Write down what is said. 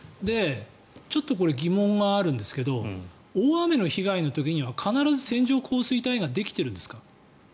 ちょっと疑問があるんですけど大雨の被害の時には必ず線状降水帯ができてるんですか？